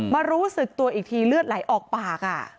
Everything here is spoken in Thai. รู้สึกตัวอีกทีเลือดไหลออกปาก